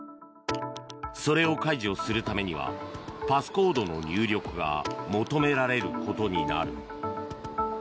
それを解除するためにはパスコードの入力が求められることになる。